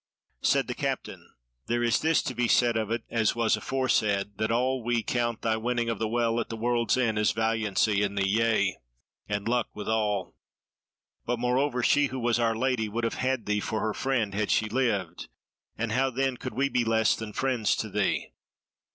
Said the Captain: "There is this to be said of it, as was aforesaid, that all we count thy winning of the Well at the World's End as valiancy in thee, yea, and luck withal. But, moreover, she who was Our Lady would have had thee for her friend had she lived, and how then could we be less than friends to thee?